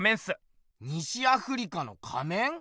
西アフリカの仮面？